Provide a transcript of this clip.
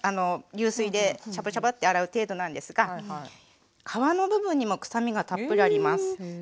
流水でシャバシャバって洗う程度なんですが皮の部分にも臭みがたっぷりあります。